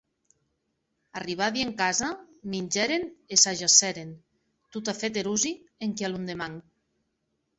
Arribadi ena casa, mingèren e s’ajacèren, totafèt erosi, enquia londeman.